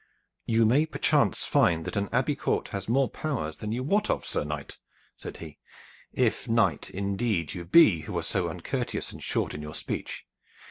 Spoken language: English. "You may perchance find that an Abbey court has more powers than you wot of, Sir Knight," said he, "if knight indeed you be who are so uncourteous and short in your speech.